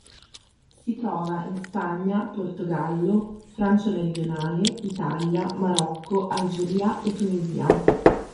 Si trova in Spagna, Portogallo, Francia meridionale, Italia, Marocco, Algeria e Tunisia.